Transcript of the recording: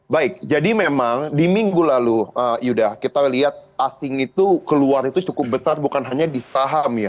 baik jadi memang di minggu lalu yuda kita lihat asing itu keluar itu cukup besar bukan hanya di saham ya